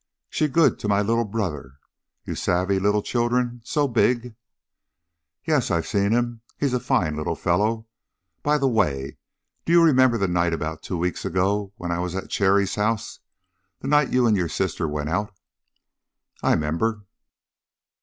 "She good to my little broder. You savvy little chil'ren so big?" "Yes. I've seen him. He's a fine little fellow. By the way, do you remember that night about two weeks ago when I was at Cherry's house? the night you and your sister went out?" "I 'member."